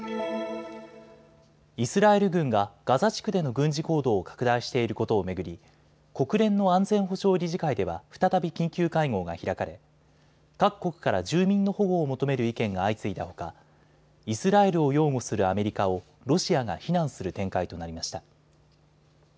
イスラエル軍がガザ地区での軍事行動を拡大していることを巡り、国連の安全保障理事会では再び緊急会合が開かれ各国から住民の保護を求める意見が相次いだほかイスラエルを擁護するアメリカをロシアが非難する展開となりました。